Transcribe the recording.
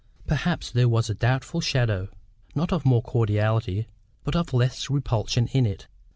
Perhaps there was a doubtful shadow, not of more cordiality, but of less repulsion in it.